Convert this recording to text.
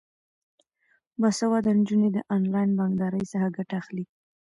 باسواده نجونې د انلاین بانکدارۍ څخه ګټه اخلي.